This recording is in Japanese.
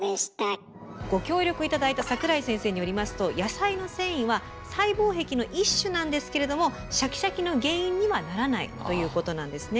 ご協力頂いた櫻井先生によりますと野菜の繊維は細胞壁の一種なんですけれどもシャキシャキの原因にはならないということなんですね。